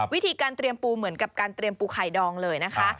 วิธีการเตรียมปูเหมือนกับการเตรียมปูไข่ดองเลยนะคะ